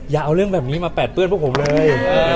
อย่าเอาเรื่องแบบนี้มาแปดเปื้อนพวกผมเลย